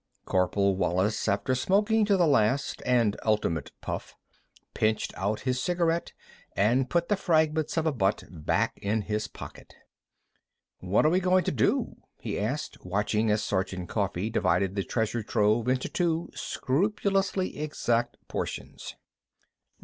Corporal Wallis, after smoking to the last and ultimate puff, pinched out his cigarette and put the fragments of a butt back in his pocket. "What we got to do?" he asked, watching as Sergeant Coffee divided the treasure trove into two scrupulously exact portions.